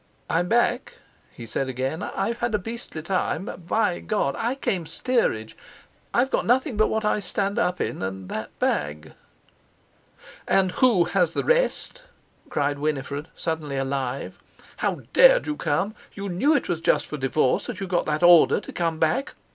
"I'm back," he said again. "I've had a beastly time. By God! I came steerage. I've got nothing but what I stand up in, and that bag." "And who has the rest?" cried Winifred, suddenly alive. "How dared you come? You knew it was just for divorce that you got that order to come back.